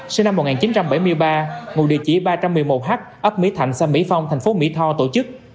sinh năm một nghìn chín trăm bảy mươi ba ngụ địa chỉ ba trăm một mươi một h ấp mỹ thạnh xã mỹ phong thành phố mỹ tho tổ chức